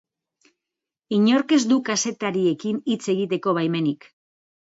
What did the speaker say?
Inork ez du kazetariekin hitz egiteko baimenik.